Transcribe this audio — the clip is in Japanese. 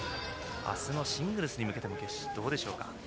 あすのシングルスに向けてもどうでしょうか？